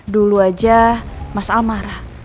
dulu aja mas al marah